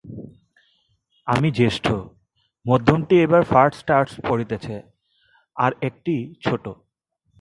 আমি জ্যেষ্ঠ, মধ্যমটি এইবার ফার্ষ্ট আর্টস পড়িতেছে, আর একটি ছোট।